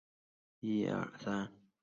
他心疼小孙女